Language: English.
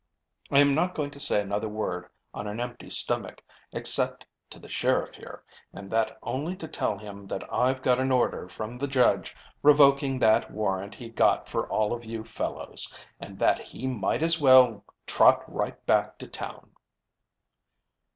I am not going to say another word on an empty stomach, except to the sheriff here, and that only to tell him that I've got an order from the judge revoking that warrant he's got for all of you fellows, and that he might as well trot right back to town."